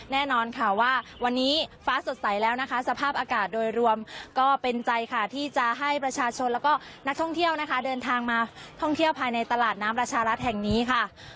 แน่นอนค่ะว่าวันนี้ฟ้าสดใสแล้วนะคะสภาพอากาศโดยรวมก็เป็นใจค่ะที่จะให้ประชาชนแล้วก็นักท่องเที่ยวนะคะเดินทางมาท่องเที่ยวภายในตลาดน้ำประชารัฐแห่งนี้ค่ะ